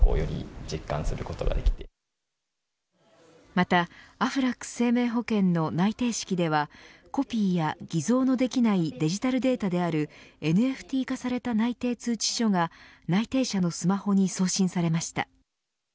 また、アフラック生命保険の内定式ではコピーや偽造のできないデジタルデータであるＮＦＴ化された内定通知書が内定者のスマホに送信されました。